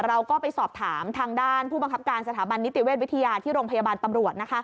เราก็ไปสอบถามทางด้านผู้บังคับการสถาบันนิติเวชวิทยาที่โรงพยาบาลตำรวจ